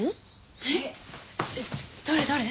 えっ？どれ？